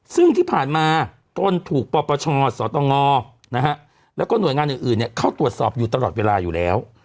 ซึ่งที่ผ่านมาตนถูกปปชสตงแล้วก็หน่วยงานอื่นเข้าตรวจสอบอยู่ตลอดเวลาอยู่แล้ว